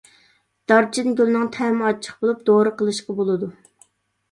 دارچىنگۈلنىڭ تەمى ئاچچىق بولۇپ، دورا قىلىشقا بولىدۇ.